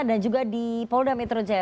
dan juga di polda metro jaya